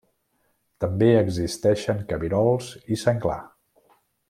També existeixen cabirols i Senglar.